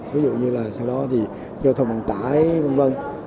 ví dụ như là sau đó thì giao thông vận tải v v